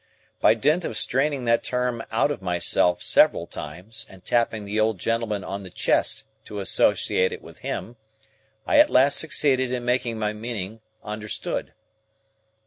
By dint of straining that term out of myself several times and tapping the old gentleman on the chest to associate it with him, I at last succeeded in making my meaning understood.